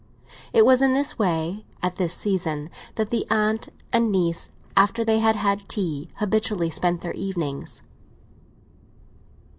It was in this way, at this season, that the aunt and niece, after they had had tea, habitually spent their evenings.